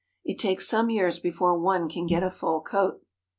It takes some years before one can get a full coat.